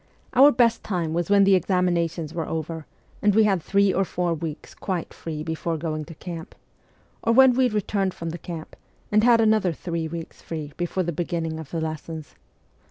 Our best time was when the examinations were over, and we had three or four weeks quite free before going to camp ; or when we returned from the camp, and had another three weeks free before the beginning of the lessons.